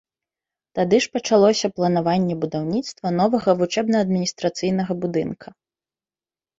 Тады ж пачалося планаванне будаўніцтва новага вучэбна-адміністрацыйнага будынка.